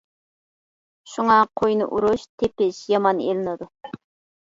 شۇڭا قوينى ئۇرۇش، تېپىش يامان ئېلىنىدۇ.